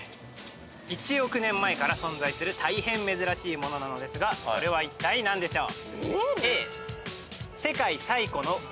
１億年前から存在する大変珍しいものなのですがそれはいったい何でしょう？